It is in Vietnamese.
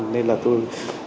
nên là tôi